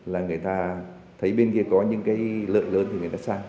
là người ta thấy bên kia có những cái lợn lớn thì người ta sang